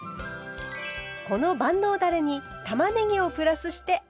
この万能だれにたまねぎをプラスしてアレンジ。